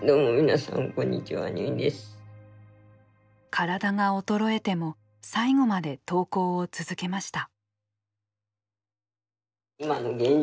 体が衰えても最後まで投稿を続けました。